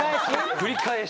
振り返し